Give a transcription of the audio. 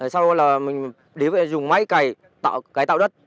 sau là mình dùng máy cày cải tạo đất